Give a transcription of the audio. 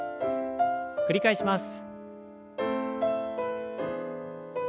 繰り返します。